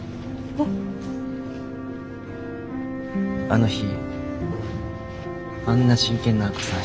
あの日あんな真剣な亜子さん